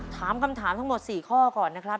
ถามคำถามทั้งหมด๔ข้อก่อนนะครับ